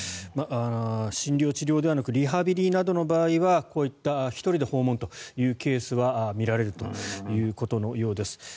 診療治療ではなくリハビリなどの場合はこういった１人で訪問というケースは見られるということのようです。